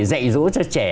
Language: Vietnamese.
dạy dỗ cho trẻ